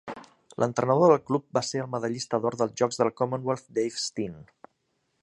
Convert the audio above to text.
L'entrenador del club va ser el medallista d'or dels Jocs de la Commonwealth Dave Steen.